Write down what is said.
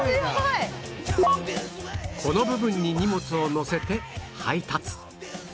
この部分に荷物を載せて配達